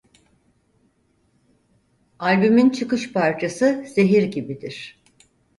Albümün çıkış parçası Zehir Gibi'dir.